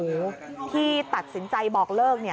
เขาชั้นตัดสินใจบอกเลิกเนี่ย